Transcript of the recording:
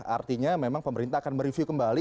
artinya memang pemerintah akan mereview kembali